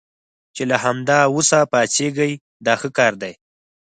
چې له همدا اوس پاڅېږئ دا ښه کار دی.